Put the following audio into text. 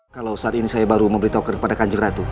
kalau saat ini saya baru memberitahu kepada kanjiratu